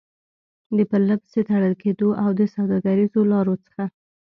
د پرلپسې تړل کېدو او د سوداګريزو لارو څخه